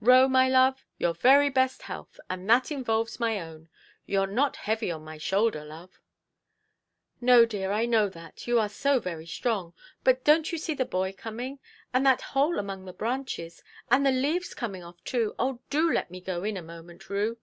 Roe, my love, your very best health, and that involves my own. Youʼre not heavy on my shoulder, love". "No, dear, I know that: you are so very strong. But donʼt you see the boy coming? And that hole among the branches! And the leaves coming off too! Oh, do let me go in a moment, Rue!